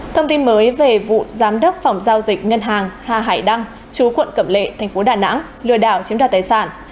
thông tin mới về vụ giám đốc phòng giao dịch ngân hàng hà hải đăng trú quận cẩm lệ tp đà nẵng lừa đảo chiếm đoạt tài sản